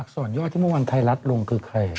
อักษรย่อที่เมื่อวานไทยรัดลงคือใคร